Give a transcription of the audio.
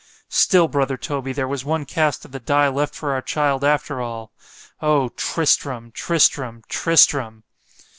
Still, brother Toby, there was one cast of the dye left for our child after all—_O Tristram! Tristram! Tristram!